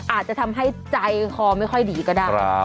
อาจจะทำให้ใจคอไม่ค่อยดีก็ได้